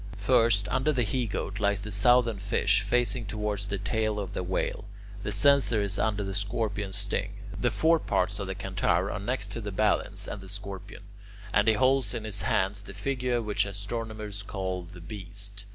First, under the He Goat lies the Southern Fish, facing towards the tail of the Whale. The Censer is under the Scorpion's sting. The fore parts of the Centaur are next to the Balance and the Scorpion, and he holds in his hands the figure which astronomers call the Beast.